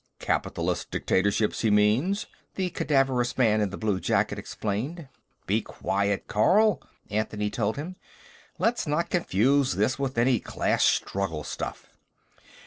"Capitalistic dictatorships, he means," the cadaverous man in the blue jacket explained. "Be quiet, Carl," Anthony told him. "Let's not confuse this with any class struggle stuff."